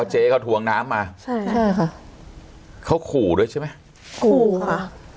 เจ๊เขาทวงน้ำมาใช่ใช่ค่ะเขาขู่ด้วยใช่ไหมขู่ค่ะ